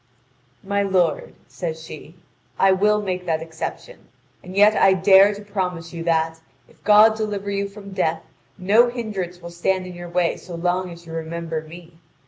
"My lord," says she, "I will make that exception. And yet I dare to promise you that, if God deliver you from death, no hindrance will stand in your way so long as you remember me.